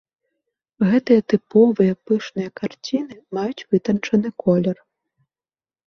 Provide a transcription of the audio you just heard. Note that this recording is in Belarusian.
Гэтыя тыповыя пышныя карціны маюць вытанчаны колер.